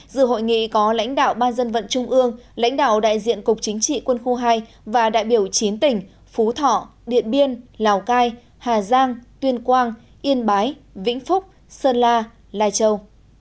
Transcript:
dự hội nghị có lãnh đạo ban dân vận trung ương lãnh đạo đại diện cục chính trị quân khu hai và đại biểu chín tỉnh phú thọ điện biên lào cai hà giang tuyên quang yên bái vĩnh phúc sơn la lai châu